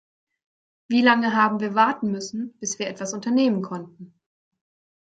Wie lange haben wir warten müssen, bis wir etwas unternehmen konnten.